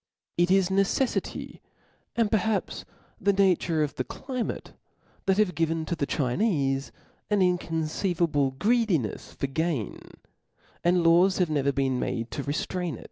Jt is necel&ty, and perhaps the nature of the climate, that has given to the Chine(e an inconceivable greedinefs for gain, and laws have never been made to reftrain it.